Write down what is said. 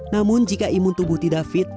namun jika imun tubuh tidak fit